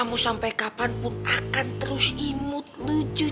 mulia dulu gitu ya